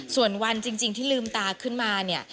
ส่วนวันจริงที่ลืมตาขึ้นมาเนี่ย